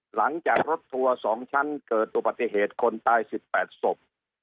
หลังจากรถทัวร์สองชั้นเกิดตัวปฏิเหตุคนตายสิบแปดศพ